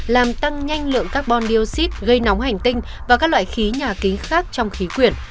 làm tăng nhanh lượng carbon dioxit gây nóng hành tinh và các loại khí nhà kính khác trong khí quyển